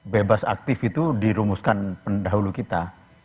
bebas aktif itu dirumuskan pendahulu kita